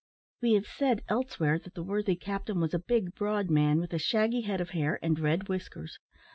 We have said, elsewhere, that the worthy captain was a big, broad man, with a shaggy head of hair, and red whiskers.